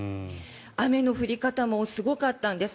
雨の降り方もすごかったんです。